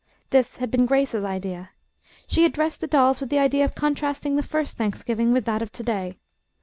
This had been Grace's idea. She had dressed the dolls with the idea of contrasting the first Thanksgiving with that of to day.